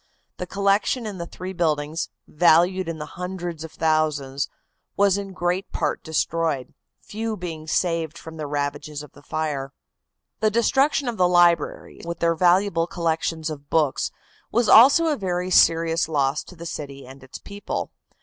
The collections in the three buildings, valued in the hundreds of thousands, in great part were destroyed, few being saved from the ravages of the fire. The destruction of the libraries, with their valuable collections of books, was also a very serious loss to the city and its people.